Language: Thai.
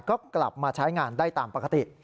ก็กลับมาใช้งานได้ตามปกติ